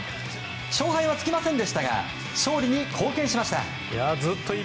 勝敗はつきませんでしたが勝利に貢献しました。